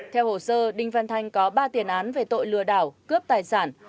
theo hồ sơ đinh văn thanh có ba tiền án về tội lừa đảo cướp tài sản